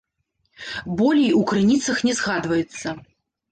Болей у крыніцах не згадваецца.